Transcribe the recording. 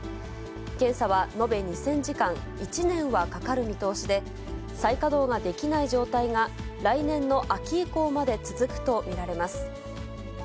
検査は延べ２０００時間、１年はかかる見通しで、再稼働ができない状態が来年の秋以降まで続くと見られます。